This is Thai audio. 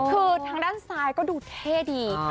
คือทางด้านซ้ายก็ดูเท่ดี